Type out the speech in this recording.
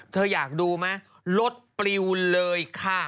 เธออยากดูมั้ยลดปริวเลยค่ะ